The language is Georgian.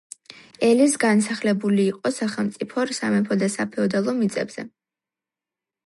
ელის განსახლებული იყო სახელმწიფო, სამეფო და საფეოდალო მიწებზე.